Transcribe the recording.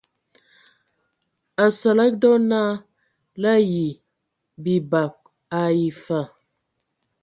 Asǝlǝg dɔ naa la ayi bibag ai fa.